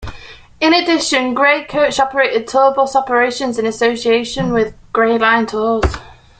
In addition, Gray Coach operated tour bus operations in association with Gray Line tours.